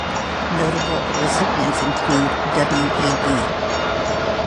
Notable recipients include: W. E. B.